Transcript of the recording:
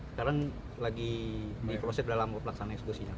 sekarang lagi di proses dalam pelaksanaan eksklusinya